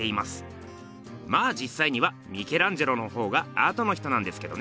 まあじっさいにはミケランジェロのほうがあとの人なんですけどね。